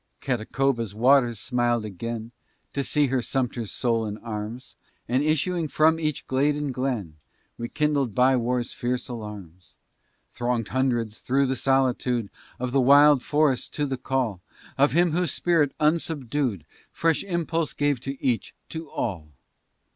Catacoba's waters smiled again, To see her Sumter's soul in arms; And issuing from each glade and glen, Rekindled by war's fierce alarms, Throng'd hundreds through the solitude Of the wild forest, to the call Of him whose spirit, unsubdued, Fresh impulse gave to each, to all.